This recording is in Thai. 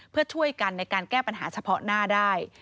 เพื่อช่วยกันในการแก้ปัญหาเฉพาะหน้าได้